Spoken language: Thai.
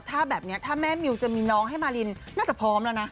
ถ้าแบบนี้ถ้าแม่มิวจะมีน้องให้มารินน่าจะพร้อมแล้วนะ